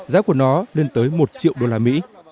giá của nó lên tới một triệu đô la mỹ